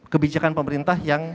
kebijakan pemerintah yang